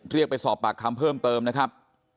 เรียกไปสอบปากคำเพิ่มเติมนะครับ